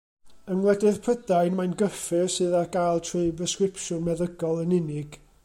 Yng Ngwledydd Prydain mae'n gyffur sydd ar gael trwy bresgripsiwn meddygol yn unig.